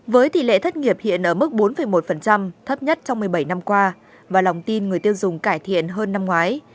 với tỷ lệ thất nghiệp hiện ở mức bốn một thấp nhất trong một mươi bảy năm qua và lòng tin người tiêu dùng cải thiện hơn năm ngoái